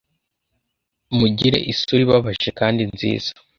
mugire isura ibabaje kandi nziza